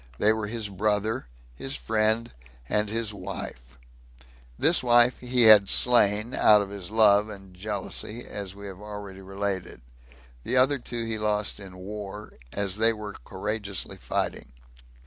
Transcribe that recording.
They were his brother, his friend, and his wife. This wife he had slain, out of his love [and jealousy], as we have already related; the other two he lost in war, as they were courageously fighting.